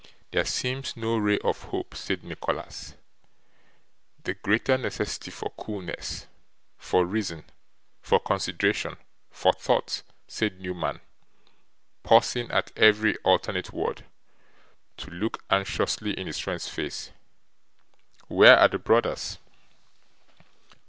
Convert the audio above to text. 'There seems no ray of hope,' said Nicholas. 'The greater necessity for coolness, for reason, for consideration, for thought,' said Newman, pausing at every alternate word, to look anxiously in his friend's face. 'Where are the brothers?